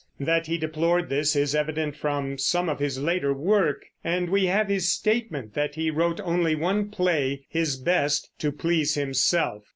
That he deplored this is evident from some of his later work, and we have his statement that he wrote only one play, his best, to please himself.